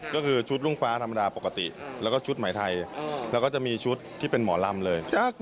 ก็คือชุดรุ่งฟ้าธรรมดาปกติแล้วก็ชุดหมายไทยแล้วก็จะมีชุดที่เป็นหมอลำเลย